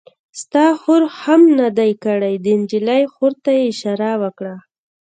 ستا خور هم نه دی کړی؟ د نجلۍ خور ته یې اشاره وکړه.